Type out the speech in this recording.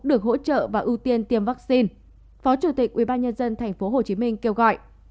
được hỗ trợ và ưu tiên tiêm vaccine phó chủ tịch ubnd tp hcm kêu gọi